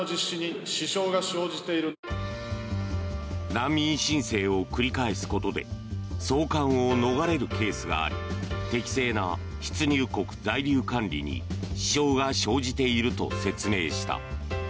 難民申請を繰り返すことで送還を逃れるケースがあり適正な出入国在留管理に支障が生じていると説明した。